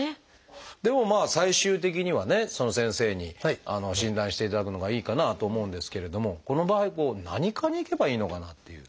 でも最終的にはね先生に診断していただくのがいいかなと思うんですけれどもこの場合何科に行けばいいのかなっていう。